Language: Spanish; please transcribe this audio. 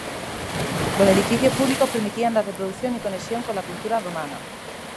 Los edificios públicos permitían la reproducción y conexión con la cultura romana.